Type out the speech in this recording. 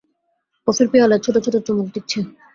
কফির পেয়ালায় ছোট ছোট চুমুক দিচ্ছে।